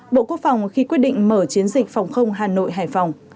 bộ quốc phòng khi quyết định mở chiến dịch phòng không hà nội hải phòng